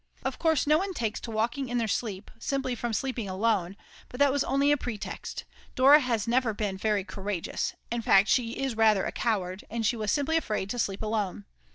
Of course no one takes to walking in their sleep simply from sleeping alone, but that was only a pretext; Dora has never been very courageous, in fact she is rather a coward, and she was simply afraid to sleep alone.